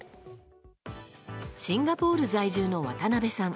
シンガポール在住の渡辺さん。